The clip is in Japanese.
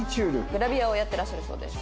グラビアをやってらっしゃるそうです。